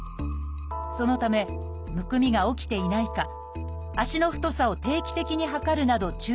そのためむくみが起きていないか足の太さを定期的に測るなど注意していました。